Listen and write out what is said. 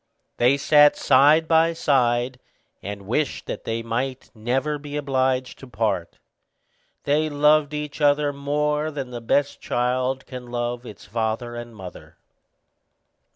They sat side by side, and wished that they might never be obliged to part. They loved each other much more than the best child can love its father and mother.